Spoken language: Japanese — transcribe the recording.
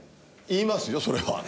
言いますよそれは。